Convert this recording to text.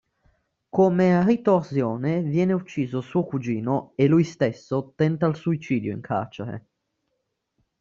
Come ritorsione viene ucciso suo cugino e lui stesso tenta il suicidio in carcere.